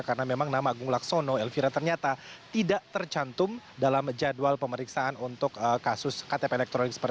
karena memang nama agung laksono elvira ternyata tidak tercantum dalam jadwal pemeriksaan untuk kasus ktp elektronik